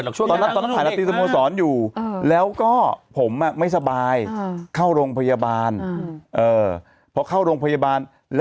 บวชอายุปะฟิลล์มันเป็นฟิลล์ไม่